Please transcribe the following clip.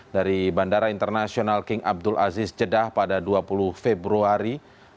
dari bandara internasional king abdul aziz jeddah pada dua puluh februari dua ribu delapan belas